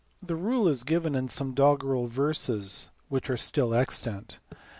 The rule is given in some doggerel verses which are still extant.